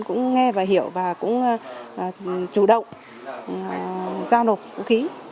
chủ động giao nổ vũ khí